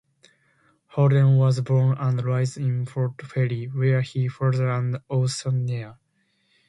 Holden was born and raised in Port Fairy, where her father was an auctioneer.